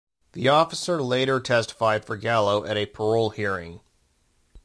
The officer later testified for Gallo at a parole hearing.